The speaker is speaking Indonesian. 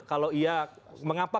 kalau iya mengapa